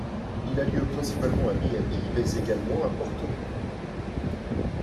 Il a lieu principalement à Miami, mais également à Porto Rico.